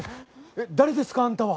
誰ですかあんたは？